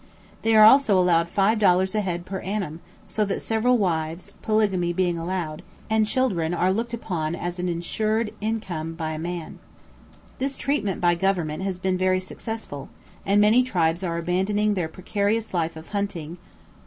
They are also allowed five dollars a head per annum, so that several wives (polygamy being allowed) and children are looked upon as an insured income by a man. This treatment by Government has been very successful, and many tribes are abandoning their precarious life of hunting.